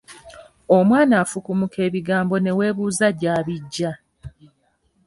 Omwana afukumuka ebigambo ne weebuuza gy’abijja.